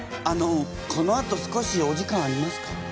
あのこのあと少しお時間ありますか？